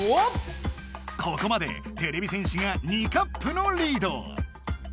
ここまでてれび戦士が２カップのリード。